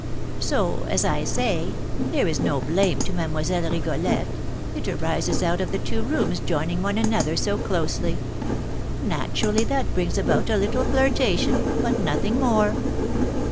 So, as I say, there is no blame to Mlle. Rigolette; it arises out of the two rooms joining one another so closely, naturally that brings about a little flirtation, but nothing more."